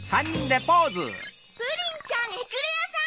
プリンちゃんエクレアさん。